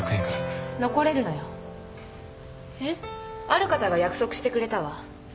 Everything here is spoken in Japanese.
ある方が約束してくれたわ。